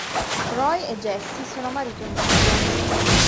Roy e Jessie sono marito e moglie.